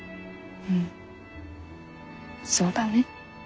うんそうだね。